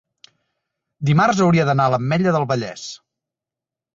dimarts hauria d'anar a l'Ametlla del Vallès.